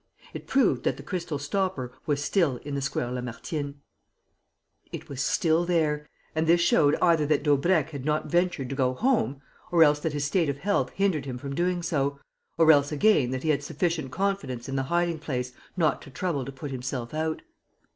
It proved that the crystal stopper was still in the Square Lamartine. It was still there; and this showed either that Daubrecq had not ventured to go home, or else that his state of health hindered him from doing so, or else again that he had sufficient confidence in the hiding place not to trouble to put himself out.